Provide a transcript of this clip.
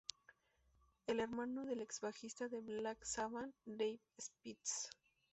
Es hermano del ex-bajista de Black Sabbath, Dave Spitz.